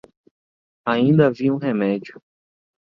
Ainda havia um remédio.